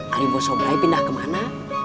ariebo sobrai pindah kemana